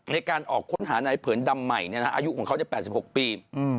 ในการออกค้นหาในเผินดำใหม่อายุของเขา๘๖ปี